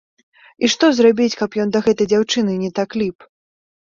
І што зрабіць, каб ён да гэтай дзяўчыны не так ліп?!.